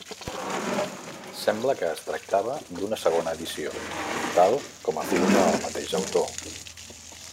Sembla que es tractava d'una segona edició, tal com afirma el mateix autor.